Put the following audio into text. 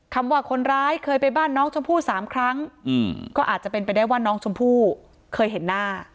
ว่าคนร้ายเคยไปบ้านน้องชมพู่๓ครั้งก็อาจจะเป็นไปได้ว่าน้องชมพู่เคยเห็นหน้า